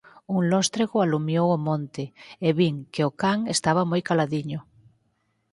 Un lóstrego alumeou o monte, e vin que o can estaba moi caladiño